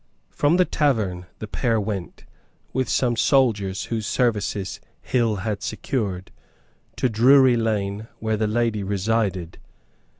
From the tavern the pair went, with some soldiers whose services Hill had secured, to Drury Lane where the lady resided.